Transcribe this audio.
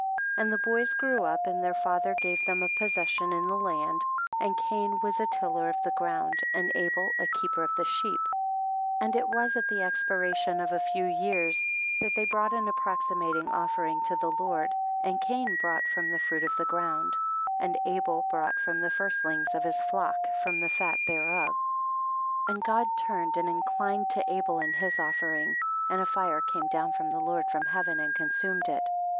14. And the boys grew up and their father gave them a possession in the land ; and Cain was a tiller of the ground, and Abel a keeper of sheep. 15. And it was at the expiration of a few years, that they brought an approximating offering to the Lord, and Cain brought from the fruit of the grotmd, and Abel brought from the firstlings of his flock from the fat thereof, and God turned and inclined to Abel and his offering, and a fire came down from the Lord from heaven and consumed it.